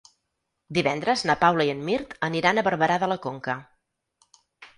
Divendres na Paula i en Mirt aniran a Barberà de la Conca.